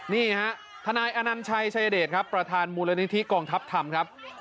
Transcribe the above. นี่ฮะทนายอนัญชัยชายเดชครับประธานมูลนิธิกองทัพธรรมครับ